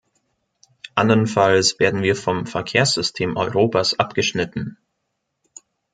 Anderenfalls werden wir vom Verkehrssystem Europas abgeschnitten.